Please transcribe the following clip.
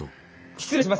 失礼します。